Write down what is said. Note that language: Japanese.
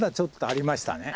ありましたね。